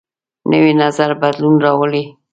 نوی نظر بدلون راولي